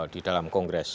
di dalam kongres